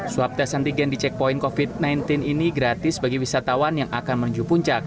swab tes antigen di checkpoint covid sembilan belas ini gratis bagi wisatawan yang akan menuju puncak